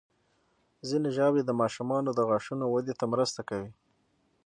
ځینې ژاولې د ماشومانو د غاښونو وده ته مرسته کوي.